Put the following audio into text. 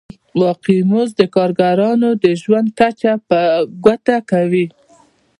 واقعي مزد د کارګرانو د ژوند کچه په ګوته کوي